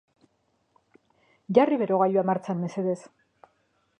Jarri berogailua martxan mesedez!